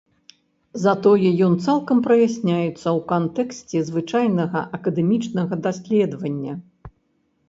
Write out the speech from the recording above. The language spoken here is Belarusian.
Затое ён цалкам праясняецца ў кантэксце звычайнага акадэмічнага даследавання.